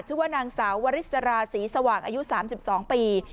ชื่อว่านางสาววริสราศรีสว่างอายุ๓๒ปี